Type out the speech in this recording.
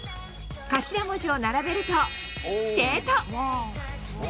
頭文字を並べると「スケート」。